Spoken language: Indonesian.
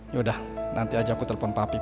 yaudah nanti aja aku telepon papip